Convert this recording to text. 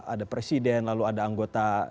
ada presiden lalu ada anggota